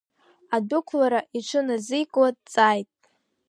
Адәықәлара иҽыназикуа дҵааит.